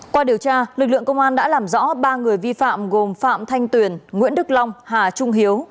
qua điều tra lực lượng công an đã làm rõ ba người vi phạm gồm phạm thanh tuyền nguyễn đức long hà trung hiếu